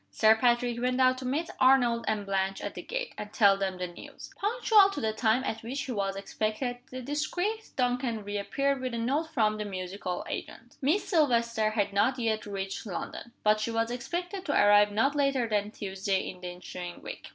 Sir Patrick went out to meet Arnold and Blanche at the gate, and tell them the news. Punctual to the time at which he was expected, the discreet Duncan reappeared with a note from the musical agent. Miss Silvester had not yet reached London; but she was expected to arrive not later than Tuesday in the ensuing week.